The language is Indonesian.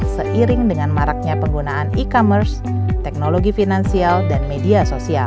seiring dengan maraknya penggunaan e commerce teknologi finansial dan media sosial